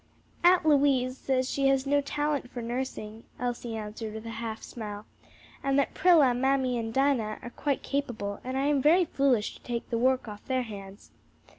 "Aunt Louise says she has no talent for nursing," Elsie answered with a half smile, "and that Prilla, mammy and Dinah are quite capable and I am very foolish to take the work off their hands."